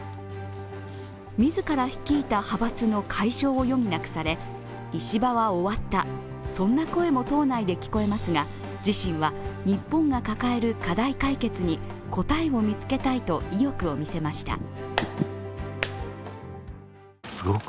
自ら率いた派閥の解消を余儀なくされ、石破は終わった、そんな声も党内で聞こえますが自身は日本が抱える課題解決に答えを見つけたいと意欲を見せました。